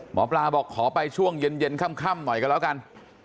หมอปลาบอกขอไปช่วงเย็นค่ำหน่อยก็แล้วกัน